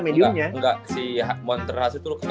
enggak si montres hasil tuh